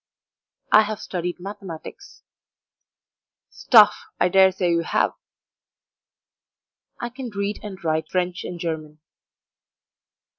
"I have studied mathematics." "Stuff! I dare say you have." "I can read and write French and German."